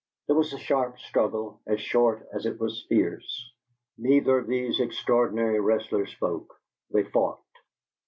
There was a sharp struggle, as short as it was fierce. Neither of these extraordinary wrestlers spoke. They fought.